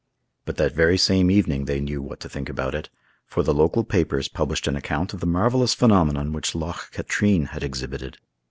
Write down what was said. But that very same evening they knew what to think about it, for the local papers published an account of the marvelous phenomenon which Loch Katrine had exhibited.